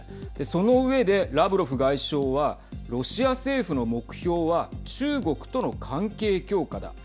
その上でラブロフ外相はロシア政府の目標は中国との関係強化だ。